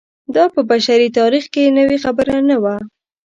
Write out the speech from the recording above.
دا په بشري تاریخ کې نوې خبره نه وه.